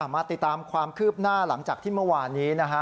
มาติดตามความคืบหน้าหลังจากที่เมื่อวานนี้นะฮะ